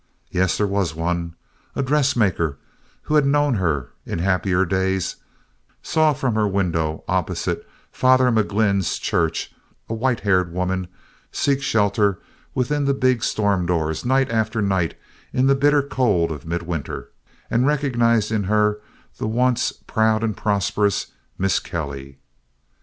Yes, there was one. A dressmaker who had known her in happier days saw from her window opposite Father McGlynn's church a white haired woman seek shelter within the big storm doors night after night in the bitter cold of midwinter, and recognized in her the once proud and prosperous Miss Kelly.